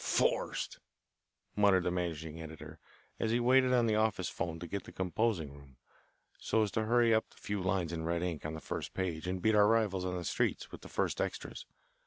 "Forced!" muttered the managing editor, as he waited on the office phone to get the composing room, so as to hurry up the few lines in red ink on the first page and beat our rivals on the streets with the first extras.